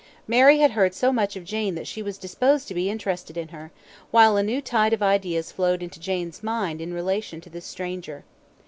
Mary had heard so much of Jane that she was disposed to be interested in her, while a new tide of ideas flowed into Jane's mind in relation to this stranger.